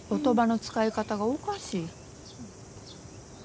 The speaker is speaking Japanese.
言葉の遣い方がおかしい。